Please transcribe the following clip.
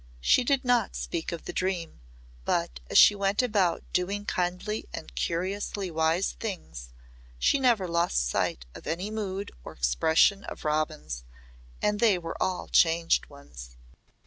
She did not speak of the dream, but as she went about doing kindly and curiously wise things she never lost sight of any mood or expression of Robin's and they were all changed ones.